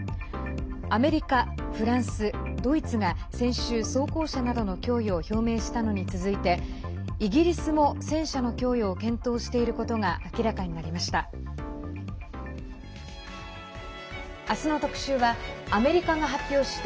アメリカ、フランス、ドイツが先週、装甲車などの供与を表明したのに続いてイギリスも戦車の供与を検討していることが明らかになりました。